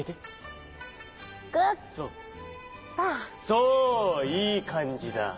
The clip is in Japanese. そういいかんじだ。